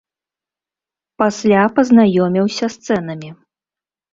Пасля пазнаёміўся з цэнамі.